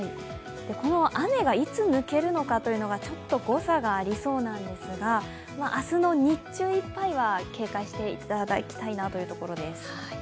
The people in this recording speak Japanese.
この雨がいつ抜けるのかというのが、誤差がありそうなんですが明日の日中いっぱいは警戒していただきたいところです。